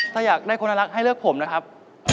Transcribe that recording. ถ้าอยากได้คนน่ารักให้เลือกผมนะครับ